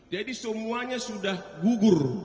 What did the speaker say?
jadi semuanya sudah gugur